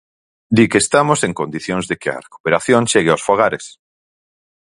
Di que estamos en condicións de que a recuperación chegue aos fogares.